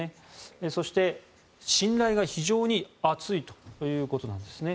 そして、信頼が非常に厚いということなんですね。